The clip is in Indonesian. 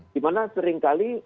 di mana seringkali